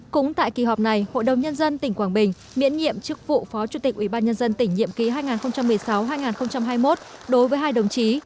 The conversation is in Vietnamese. cũng tại kỳ họp này hội đồng nhân dân tỉnh quảng bình miễn nhiệm chức vụ phó chủ tịch ủy ban nhân dân tỉnh nhiệm ký hai nghìn một mươi sáu hai nghìn hai mươi một đối với hai đồng chí